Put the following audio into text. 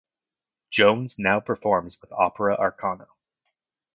Jones now performs with Opera Arcana.